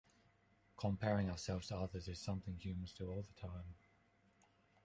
Comparing ourselves to others is something humans do all the time.